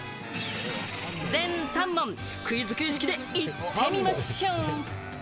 全３問クイズ形式で行ってみましょう！